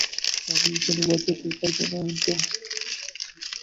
আমি এখানে বাজাতে পারবো না, এন্টন।